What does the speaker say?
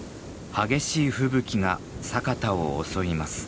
激しい吹雪が佐潟を襲います。